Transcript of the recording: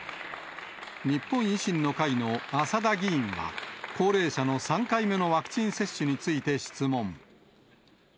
日本維新の会の浅田議員は、高齢者の３回目のワクチン接種について質問。